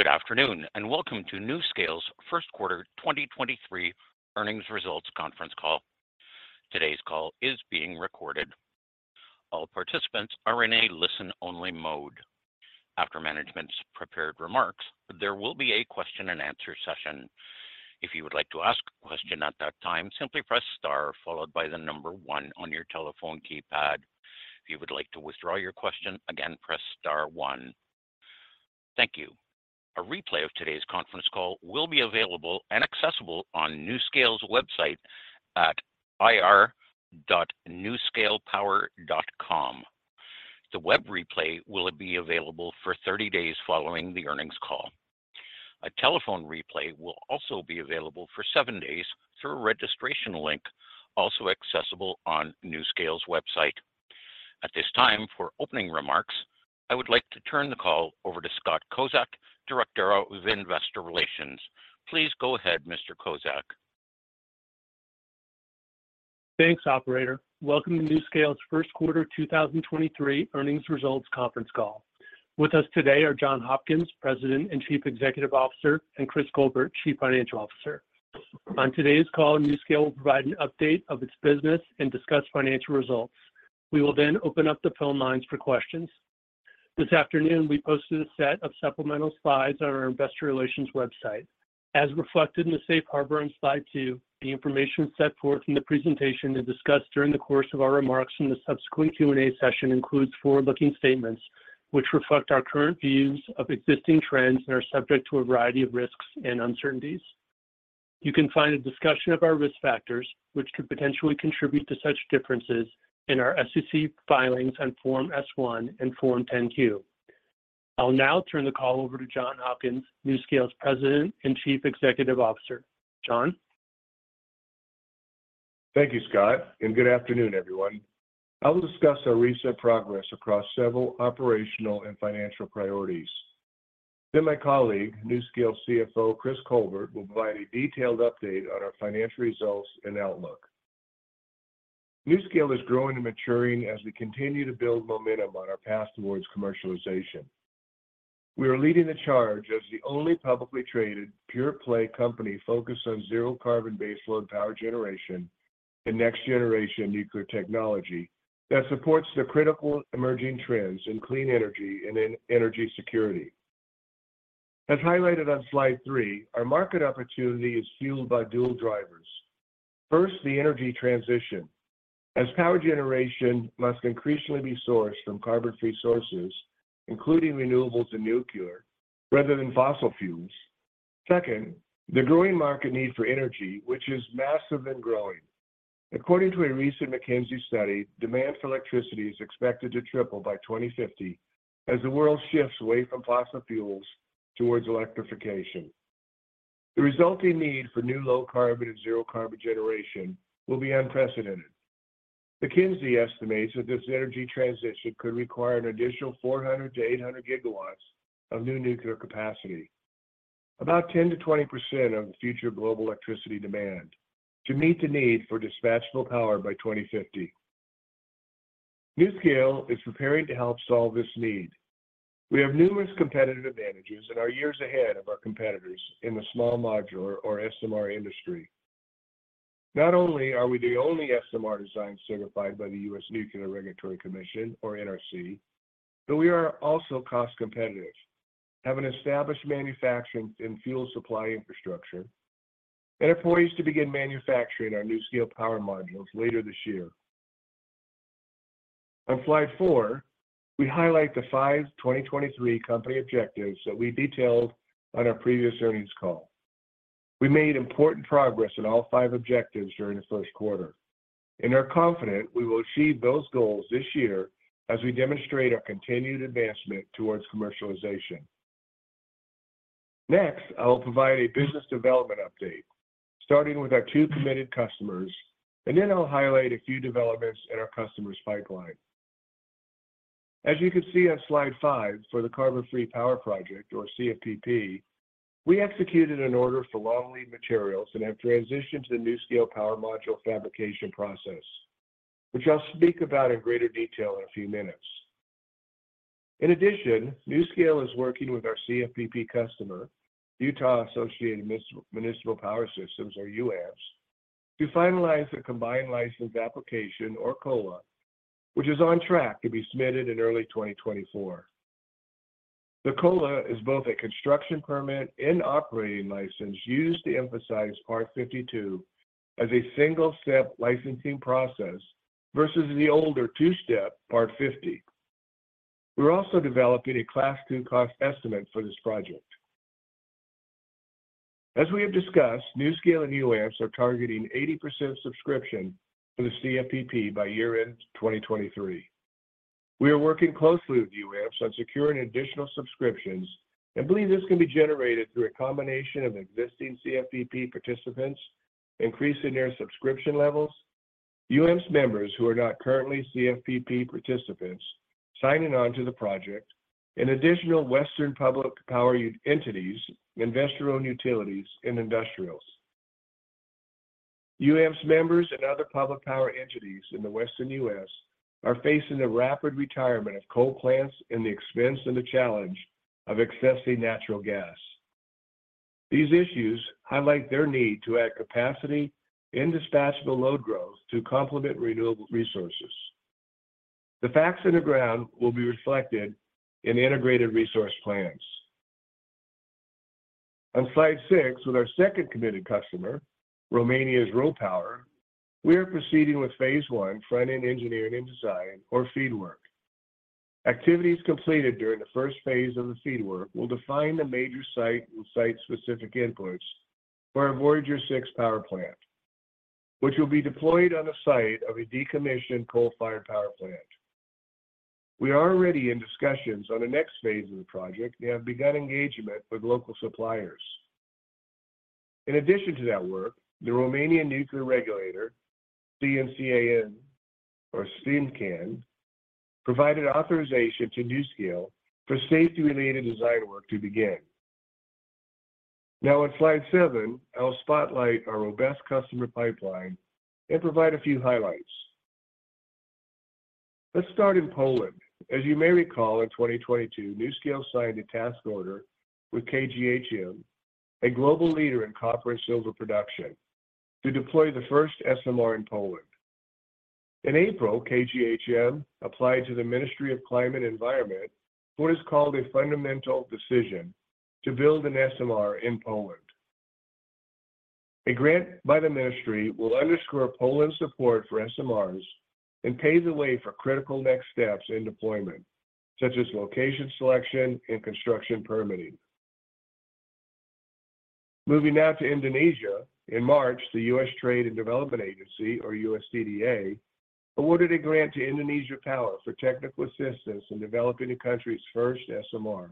Good afternoon, and welcome to NuScale's Q1 2023 Earnings Results Conference Call. Today's call is being recorded. All participants are in a listen-only mode. After management's prepared remarks, there will be a question-and-answer session. If you would like to ask a question at that time, simply press star one on your telephone keypad. If you would like to withdraw your question, again, press star one. Thank you. A replay of today's conference call will be available and accessible on NuScale's website at ir.nuscalepower.com. The web replay will be available for 30 days following the earnings call. A telephone replay will also be available for seven days through a registration link, also accessible on NuScale's website. At this time, for opening remarks, I would like to turn the call over to Scott Kozak, Director of Investor Relations. Please go ahead, Mr. Kozak. Thanks, operator. Welcome to NuScale's Q1 2023 Earnings Results Conference Call. With us today are John Hopkins, President and Chief Executive Officer, and Chris Colbert, Chief Financial Officer. On today's call, NuScale will provide an update of its business and discuss financial results. We will open up the phone lines for questions. This afternoon, we posted a set of supplemental slides on our investor relations website. As reflected in the Safe Harbor on slide two, the information set forth in the presentation and discussed during the course of our remarks in the subsequent Q&A session includes forward-looking statements which reflect our current views of existing trends and are subject to a variety of risks and uncertainties. You can find a discussion of our risk factors, which could potentially contribute to such differences, in our SEC filings on Form S-1 and Form 10-Q. I'll now turn the call over to John Hopkins, NuScale's President and Chief Executive Officer. John? Thank you, Scott, and good afternoon, everyone. I will discuss our recent progress across several operational and financial priorities. My colleague, NuScale CFO Chris Colbert, will provide a detailed update on our financial results and outlook. NuScale is growing and maturing as we continue to build momentum on our path towards commercialization. We are leading the charge as the only publicly traded pure-play company focused on zero carbon baseload power generation and next-generation nuclear technology that supports the critical emerging trends in clean energy and in energy security. As highlighted on slide three, our market opportunity is fueled by dual drivers. First, the energy transition, as power generation must increasingly be sourced from carbon-free sources, including renewables and nuclear, rather than fossil fuels. Second, the growing market need for energy, which is massive and growing. According to a recent McKinsey study, demand for electricity is expected to triple by 2050 as the world shifts away from fossil fuels towards electrification. The resulting need for new low carbon and zero carbon generation will be unprecedented. McKinsey estimates that this energy transition could require an additional 400-800 gigawatts of new nuclear capacity, about 10%-20% of the future global electricity demand, to meet the need for dispatchable power by 2050. NuScale is preparing to help solve this need. We have numerous competitive advantages and are years ahead of our competitors in the small modular or SMR industry. Not only are we the only SMR design certified by the U.S. Nuclear Regulatory Commission, or NRC, but we are also cost competitive, have an established manufacturing and fuel supply infrastructure, and are poised to begin manufacturing our NuScale Power Modules later this year. On slide four, we highlight the five 2023 company objectives that we detailed on our previous earnings call. We made important progress on all five objectives during the Q1 and are confident we will achieve those goals this year as we demonstrate our continued advancement towards commercialization. I will provide a business development update, starting with our two committed customers, and then I'll highlight a few developments in our customers pipeline. As you can see on slide five, for the Carbon Free Power Project, or CFPP, we executed an order for long lead materials and have transitioned to the NuScale Power Module fabrication process, which I'll speak about in greater detail in a few minutes. NuScale is working with our CFPP customer, Utah Associated Municipal Power Systems, or UAMPS, to finalize the combined license application, or COLA, which is on track to be submitted in early 2024. The COLA is both a construction permit and operating license used to emphasize Part 52 as a single-step licensing process versus the older two-step Part 50. We're also developing a Class II cost estimate for this project. As we have discussed, NuScale and UAMPS are targeting 80% subscription for the CFPP by year-end 2023. We are working closely with UAMPS on securing additional subscriptions and believe this can be generated through a combination of existing CFPP participants increasing their subscription levels, UAMPS members who are not currently CFPP participants signing on to the project, and additional western public power entities, investor-owned utilities, and industrials. UAMPS's members and other public power entities in the Western U.S. are facing the rapid retirement of coal plants and the expense and the challenge of accessing natural gas. These issues highlight their need to add capacity and dispatchable load growth to complement renewable resources. The facts on the ground will be reflected in integrated resource plans. On slide six, with our second committed customer, Romania's RoPower, we are proceeding with phase I, front-end engineering and design or FEED work. Activities completed during the first phase of the FEED work will define the major site and site-specific inputs for our VOYGR-6 power plant, which will be deployed on a site of a decommissioned coal-fired power plant. We are already in discussions on the next phase of the project and have begun engagement with local suppliers. In addition to that work, the Romanian Nuclear Regulator, CNCAN, provided authorization to NuScale for safety-related design work to begin. Now on slide seven, I'll spotlight our robust customer pipeline and provide a few highlights. Let's start in Poland. As you may recall, in 2022, NuScale signed a task order with KGHM, a global leader in copper and silver production, to deploy the first SMR in Poland. In April, KGHM applied to the Ministry of Climate and Environment what is called a fundamental decision to build an SMR in Poland. A grant by the Ministry will underscore Poland's support for SMRs and paves the way for critical next steps in deployment, such as location selection and construction permitting. Moving now to Indonesia, in March, the U.S. Trade and Development Agency, or USTDA, awarded a grant to Indonesia Power for technical assistance in developing the country's first SMR.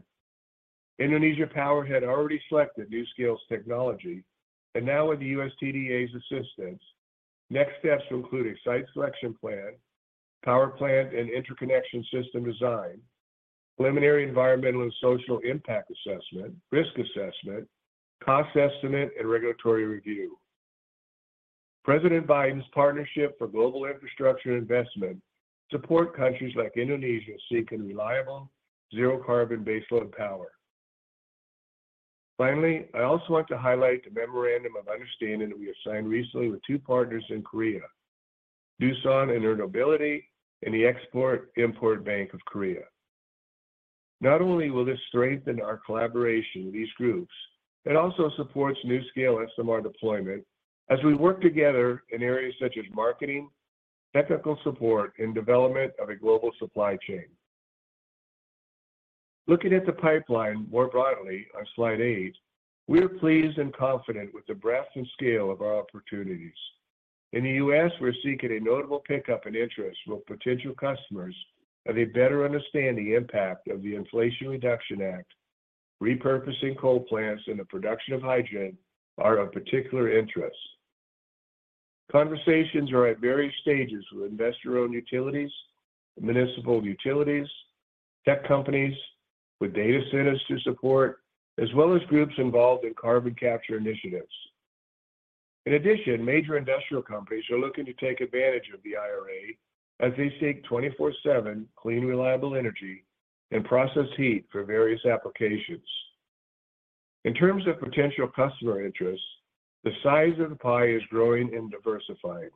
Now with the USTDA's assistance, next steps include a site selection plan, power plant and interconnection system design, preliminary environmental and social impact assessment, risk assessment, cost estimate, and regulatory review. President Biden's Partnership for Global Infrastructure and Investment support countries like Indonesia seeking reliable, zero-carbon baseload power. I also want to highlight the memorandum of understanding we have signed recently with two partners in Korea, Doosan Enerbility and the Export-Import Bank of Korea. Not only will this strengthen our collaboration with these groups, it also supports NuScale SMR deployment as we work together in areas such as marketing, technical support, and development of a global supply chain. Looking at the pipeline more broadly on slide eight, we are pleased and confident with the breadth and scale of our opportunities. In the U.S., we're seeking a notable pickup in interest from potential customers as they better understand the impact of the Inflation Reduction Act, repurposing coal plants, and the production of hydrogen are of particular interest. Conversations are at various stages with investor-owned utilities, municipal utilities, tech companies with data centers to support, as well as groups involved in carbon capture initiatives. Major industrial companies are looking to take advantage of the IRA as they seek 24/7 clean, reliable energy and process heat for various applications. In terms of potential customer interest, the size of the pie is growing and diversifying.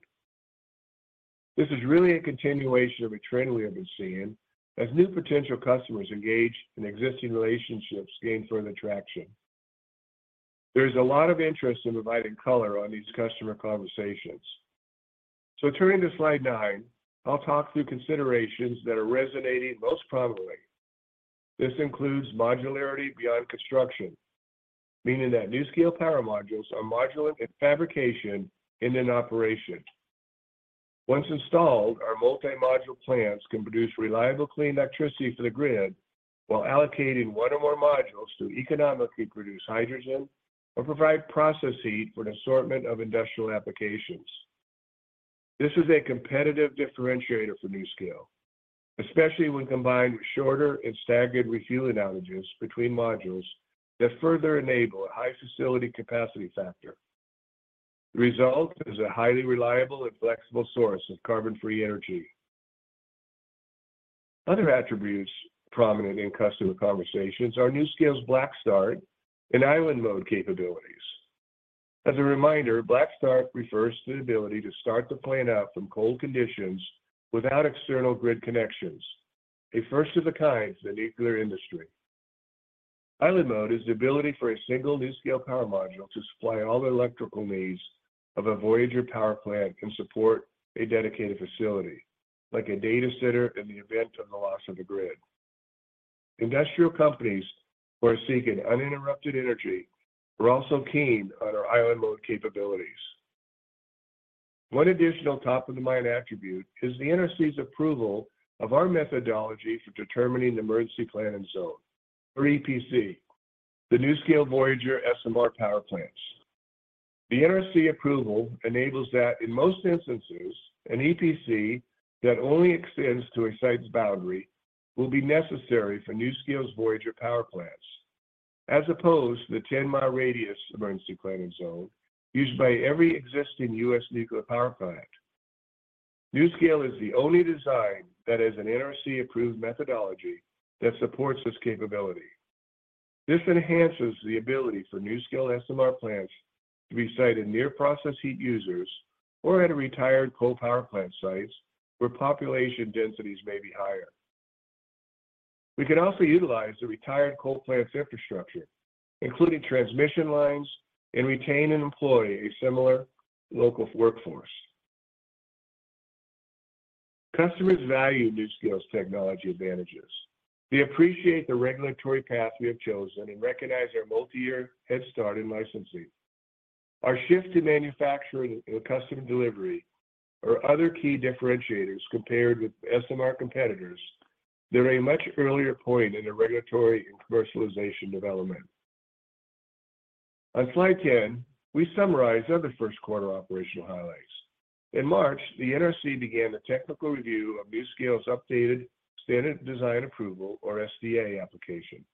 This is really a continuation of a trend we have been seeing as new potential customers engage and existing relationships gain further traction. There's a lot of interest in providing color on these customer conversations. Turning to slide nine, I'll talk through considerations that are resonating most prominently. This includes modularity beyond construction, meaning that NuScale Power Modules are modular in fabrication and in operation. Once installed, our multi-module plants can produce reliable, clean electricity for the grid while allocating one or more modules to economically produce hydrogen or provide process heat for an assortment of industrial applications. This is a competitive differentiator for NuScale, especially when combined with shorter and staggered refueling outages between modules that further enable a high facility capacity factor. The result is a highly reliable and flexible source of carbon-free energy. Other attributes prominent in customer conversations are NuScale's black start and island mode capabilities. As a reminder, black start refers to the ability to start the plant up from cold conditions without external grid connections, a first of a kind in the nuclear industry. island mode is the ability for a single NuScale Power Module to supply all the electrical needs of a VOYGR power plant and support a dedicated facility, like a data center in the event of the loss of a grid. Industrial companies who are seeking uninterrupted energy are also keen on our island mode capabilities. One additional top-of-the-mind attribute is the NRC's approval of our methodology for determining the emergency planning zone or EPZ, the NuScale VOYGR SMR power plants. The NRC approval enables that in most instances, an EPC that only extends to a site's boundary will be necessary for NuScale's VOYGR power plants. As opposed to the 10-mile radius emergency planning zone used by every existing U.S. nuclear power plant. NuScale is the only design that has an NRC-approved methodology that supports this capability. This enhances the ability for NuScale SMR plants to be sited near process heat users or at a retired coal power plant sites where population densities may be higher. We can also utilize the retired coal plants infrastructure, including transmission lines, and retain and employ a similar local workforce. Customers value NuScale's technology advantages. They appreciate the regulatory path we have chosen and recognize our multi-year head start in licensing. Our shift to manufacturing and custom delivery are other key differentiators compared with SMR competitors. They're a much earlier point in the regulatory and commercialization development. On slide 10, we summarize other Q1 operational highlights. In March, the NRC began the technical review of NuScale's updated Standard Design Approval or SDA application.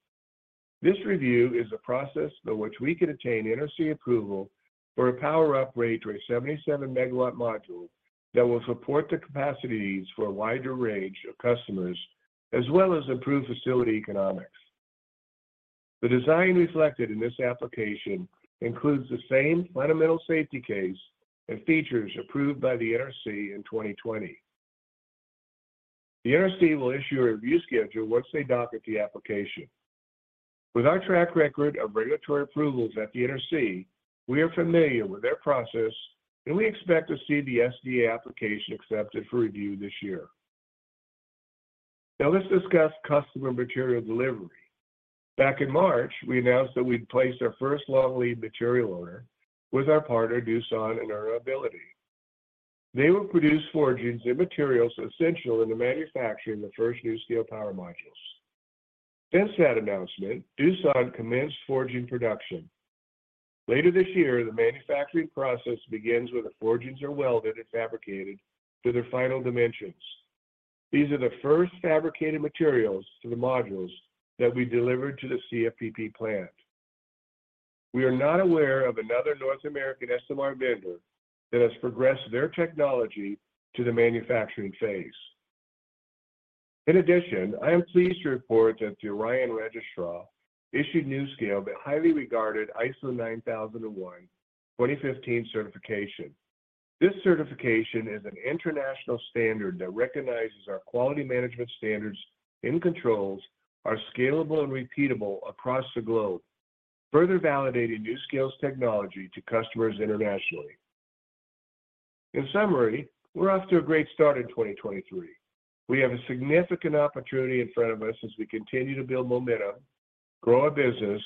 This review is a process by which we can attain NRC approval for a power uprate to a 77 MW module that will support the capacity needs for a wider range of customers, as well as improve facility economics. The design reflected in this application includes the same fundamental safety case and features approved by the NRC in 2020. The NRC will issue a review schedule once they docket the application. With our track record of regulatory approvals at the NRC, we are familiar with their process, and we expect to see the SDA application accepted for review this year. Let's discuss customer material delivery. Back in March, we announced that we'd placed our first long-lead material order with our partner Doosan Enerbility. They will produce forgings and materials essential in the manufacturing the first NuScale Power Modules. Since that announcement, Doosan commenced forging production. Later this year, the manufacturing process begins when the forgings are welded and fabricated to their final dimensions. These are the first fabricated materials to the modules that we delivered to the CFPP plant. We are not aware of another North American SMR vendor that has progressed their technology to the manufacturing phase. In addition, I am pleased to report that the Orion Registrar, Inc. issued NuScale the highly regarded ISO 9001:2015 certification. This certification is an international standard that recognizes our quality management standards and controls are scalable and repeatable across the globe, further validating NuScale's technology to customers internationally. In summary, we're off to a great start in 2023. We have a significant opportunity in front of us as we continue to build momentum, grow our business,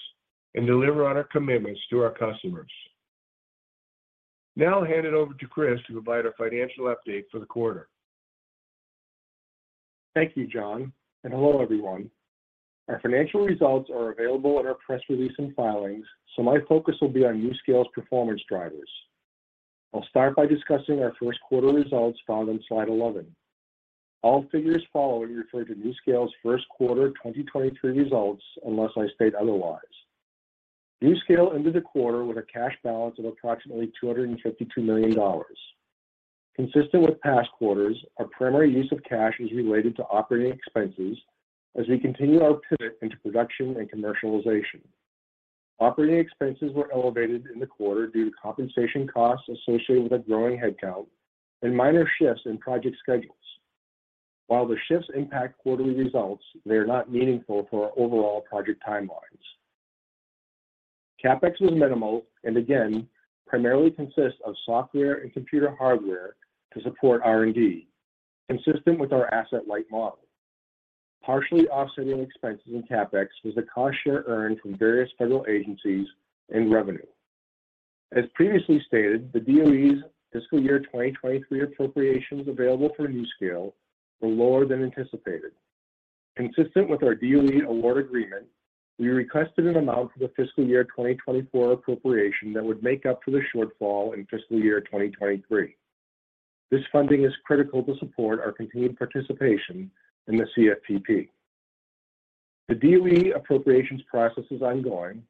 and deliver on our commitments to our customers. I'll hand it over to Chris to provide our financial update for the quarter. Thank you, John, and hello, everyone. Our financial results are available in our press release and filings. My focus will be on NuScale's performance drivers. I'll start by discussing our Q1 results found on slide 11. All figures following refer to NuScale's Q1 2023 results, unless I state otherwise. NuScale ended the quarter with a cash balance of approximately $252 million. Consistent with past quarters, our primary use of cash is related to OpEx as we continue our pivot into production and commercialization. OpEx were elevated in the quarter due to compensation costs associated with a growing headcount and minor shifts in project schedules. While the shifts impact quarterly results, they are not meaningful for our overall project timelines. CapEx was minimal and again, primarily consists of software and computer hardware to support R&D, consistent with our asset-light model. Partially offsetting expenses in CapEx was the cost share earned from various federal agencies and revenue. As previously stated, the DOE's fiscal year 2023 appropriations available for NuScale were lower than anticipated. Consistent with our DOE award agreement, we requested an amount for the fiscal year 2024 appropriation that would make up for the shortfall in fiscal year 2023. This funding is critical to support our continued participation in the CFPP. The DOE appropriations process is ongoing.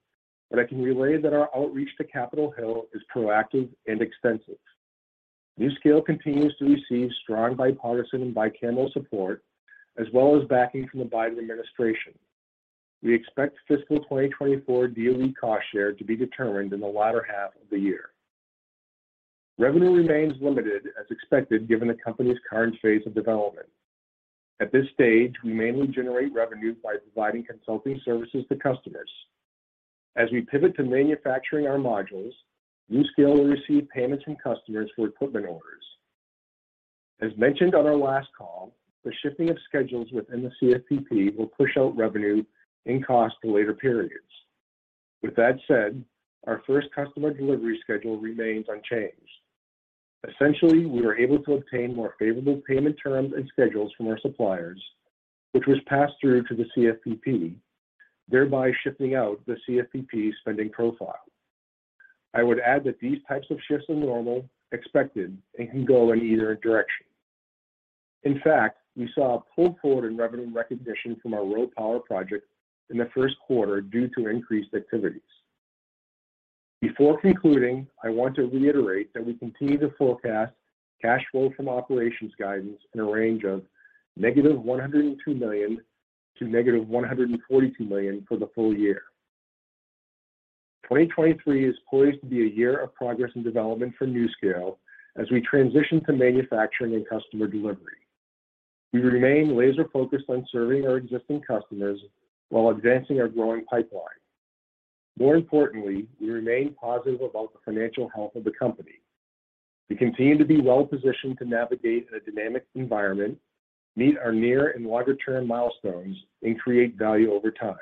I can relay that our outreach to Capitol Hill is proactive and extensive. NuScale continues to receive strong bipartisan and bicameral support, as well as backing from the Biden administration. We expect fiscal 2024 DOE cost share to be determined in the latter half of the year. Revenue remains limited as expected, given the company's current phase of development. At this stage, we mainly generate revenue by providing consulting services to customers. As we pivot to manufacturing our modules, NuScale will receive payments from customers for equipment orders. As mentioned on our last call, the shifting of schedules within the CFPP will push out revenue and cost to later periods. With that said, our first customer delivery schedule remains unchanged. Essentially, we are able to obtain more favorable payment terms and schedules from our suppliers, which was passed through to the CFPP, thereby shifting out the CFPP spending profile. I would add that these types of shifts are normal, expected, and can go in either direction. We saw a pull forward in revenue recognition from our RoPower project in the Q1 due to increased activities. Before concluding, I want to reiterate that we continue to forecast cash flow from operations guidance in a range of negative $102 million to negative $142 million for the full year. 2023 is poised to be a year of progress and development for NuScale as we transition to manufacturing and customer delivery. We remain laser-focused on serving our existing customers while advancing our growing pipeline. We remain positive about the financial health of the company. We continue to be well-positioned to navigate in a dynamic environment, meet our near and longer-term milestones, and create value over time.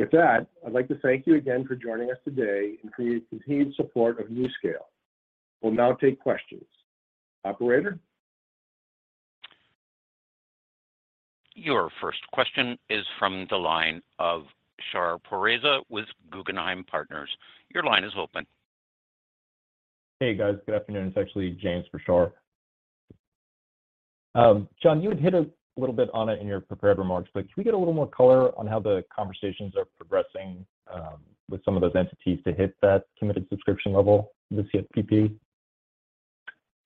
I'd like to thank you again for joining us today and for your continued support of NuScale.We'll now take questions. Operator? Your first question is from the line of Shar Pourreza with Guggenheim Partners. Your line is open. Hey, guys. Good afternoon. It's actually James for Shar. John, you had hit a little bit on it in your prepared remarks, but can we get a little more color on how the conversations are progressing with some of those entities to hit that committed subscription level with CFPP?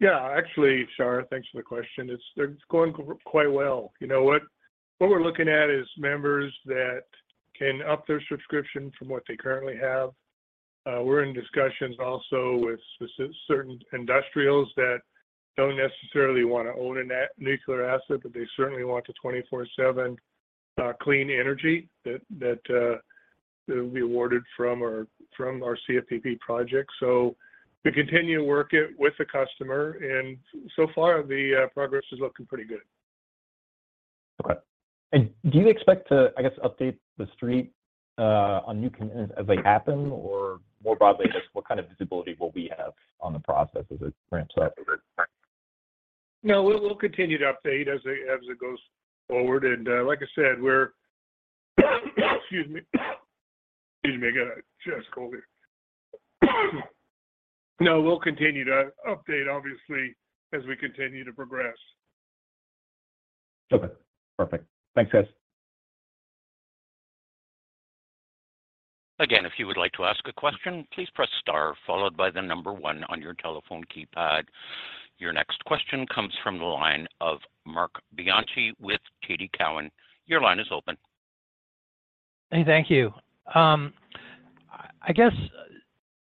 Yeah, actually, Shar, thanks for the question. They're going quite well. You know what? What we're looking at is members that can up their subscription from what they currently have. We're in discussions also with certain industrials that don't necessarily wanna own a nuclear asset, but they certainly want a 24/7 clean energy that will be awarded from our CFPP project. We continue to work it with the customer, and so far the progress is looking pretty good. Okay. Do you expect to, I guess, update the street on new commitments as they happen? More broadly, I guess, what kind of visibility will we have on the process as it ramps up? No, we'll continue to update as it goes forward. Like I said. Excuse me. I got a chest cold here. No, we'll continue to update obviously as we continue to progress. Okay. Perfect. Thanks, guys. Again, if you would like to ask a question, please press star followed by the number one on your telephone keypad. Your next question comes from the line of Marc Bianchi with TD Cowen. Your line is open. Hey, thank you. I guess,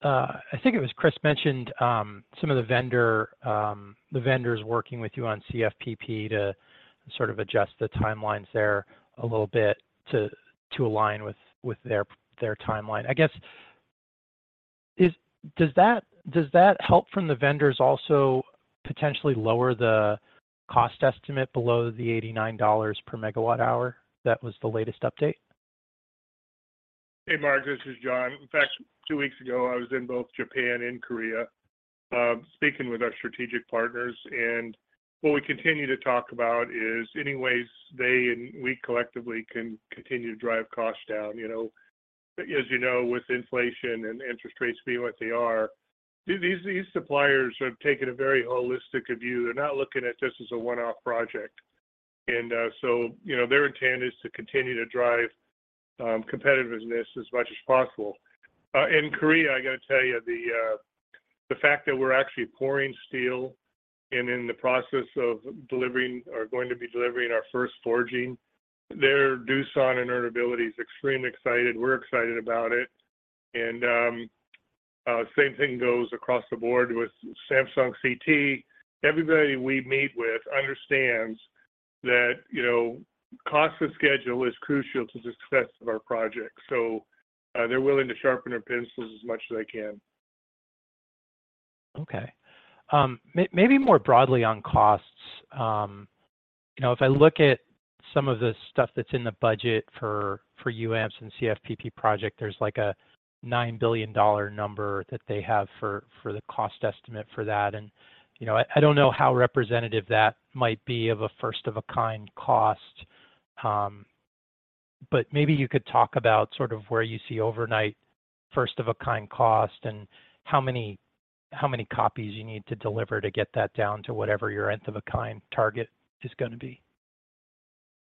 I think it was Chris mentioned, some of the vendors working with you on CFPP to sort of adjust the timelines there a little bit to align with their timeline. I guess, does that, does that help from the vendors also potentially lower the cost estimate below the $89 per megawatt hour that was the latest update? Hey, Marc. This is John. In fact, two weeks ago, I was in both Japan and Korea, speaking with our strategic partners. What we continue to talk about is any ways they and we collectively can continue to drive costs down, you know. As you know, with inflation and interest rates being what they are, these suppliers have taken a very holistic view. They're not looking at this as a one-off project. So, you know, their intent is to continue to drive competitiveness as much as possible. In Korea, I gotta tell you, the fact that we're actually pouring steel and in the process of delivering or going to be delivering our first forging, their Doosan Enerbility is extremely excited. We're excited about it. Same thing goes across the board with Samsung C&T. Everybody we meet with understands that, you know, cost and schedule is crucial to the success of our project. They're willing to sharpen their pencils as much as they can. Okay. maybe more broadly on costs, you know, if I look at some of the stuff that's in the budget for UAMPS and CFPP project, there's like a $9 billion number that they have for the cost estimate for that. You know, I don't know how representative that might be of a first of a kind cost, but maybe you could talk about sort of where you see overnight first of a kind cost and how many, how many copies you need to deliver to get that down to whatever your Nth of a kind target is gonna be.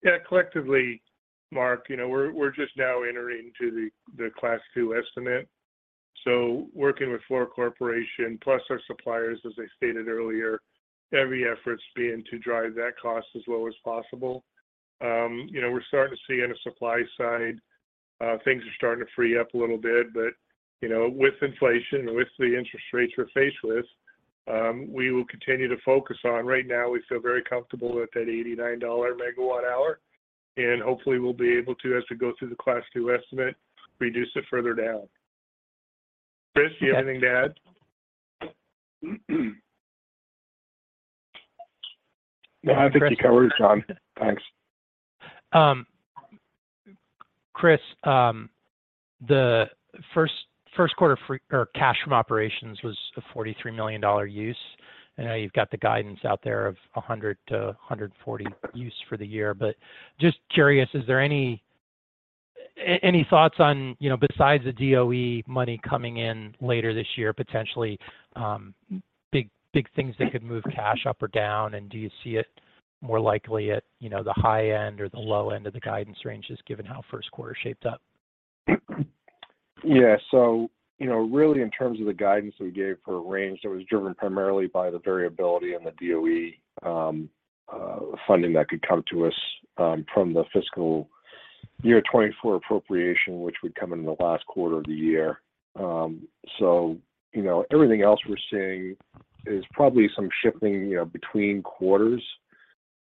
Yeah. Collectively, Marc, you know, we're just now entering to the Class II estimate. Working with Fluor Corporation plus our suppliers, as I stated earlier, every effort's being to drive that cost as low as possible. You know, we're starting to see on the supply side, things are starting to free up a little bit. You know, with inflation and with the interest rates we're faced with, we will continue to focus on. Right now, we feel very comfortable with that $89 megawatt hour, and hopefully we'll be able to, as we go through the Class II estimate, reduce it further down. Chris, you have anything to add? No. I think you're covered, John. Thanks. Chris, the Q1 free or cash from operations was a $43 million use. I know you've got the guidance out there of a $100-$140 use for the year. Just curious, is there any thoughts on, you know, besides the DOE money coming in later this year, potentially, big things that could move cash up or down, and do you see it more likely at, you know, the high end or the low end of the guidance ranges given how Q1 shaped up? Yeah. You know, really in terms of the guidance we gave for a range, that was driven primarily by the variability in the DOE funding that could come to us from the fiscal year 2024 appropriation, which would come in the last quarter of the year. You know, everything else we're seeing is probably some shifting, you know, between quarters.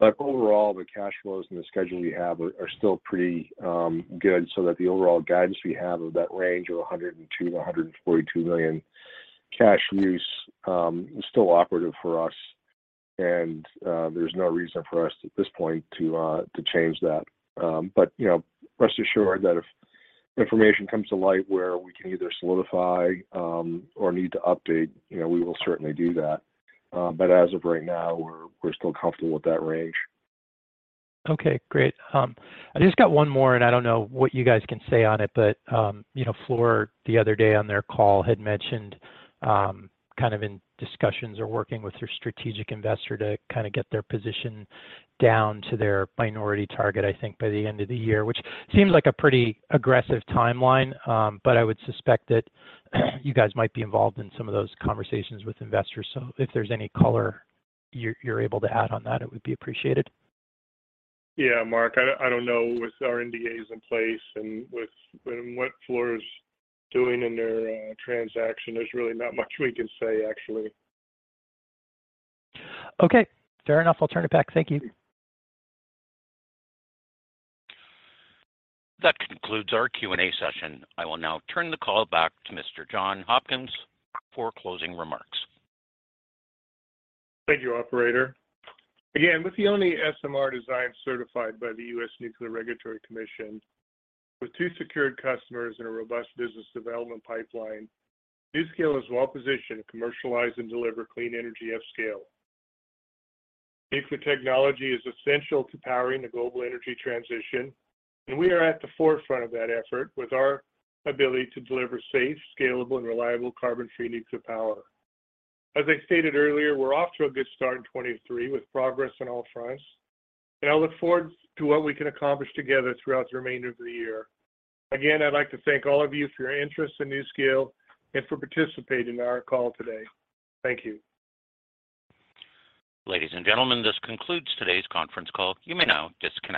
Overall, the cash flows and the schedule we have are still pretty good so that the overall guidance we have of that range of $102 million-$142 million cash use is still operative for us. There's no reason for us at this point to change that. You know, rest assured that if information comes to light where we can either solidify or need to update, you know, we will certainly do that. As of right now, we're still comfortable with that range. Okay, great. I just got one more. I don't know what you guys can say on it, but, you know, Fluor the other day on their call had mentioned, kind of in discussions or working with their strategic investor to kinda get their position down to their minority target, I think by the end of the year, which seems like a pretty aggressive timeline. I would suspect that you guys might be involved in some of those conversations with investors. If there's any color you're able to add on that, it would be appreciated. Yeah. Marc, I don't know with our NDAs in place and what Fluor is doing in their transaction, there's really not much we can say, actually. Okay, fair enough. I'll turn it back. Thank you. That concludes our Q&A session. I will now turn the call back to Mr. John Hopkins for closing remarks. Thank you, operator. With the only SMR design certified by the U.S. Nuclear Regulatory Commission, with two secured customers in a robust business development pipeline, NuScale is well positioned to commercialize and deliver clean energy at scale. Nuclear technology is essential to powering the global energy transition, and we are at the forefront of that effort with our ability to deliver safe, scalable, and reliable carbon-free nuclear power. As I stated earlier, we're off to a good start in 23 with progress on all fronts, and I look forward to what we can accomplish together throughout the remainder of the year. I'd like to thank all of you for your interest in NuScale and for participating in our call today. Thank you. Ladies and gentlemen, this concludes today's conference call. You may now disconnect.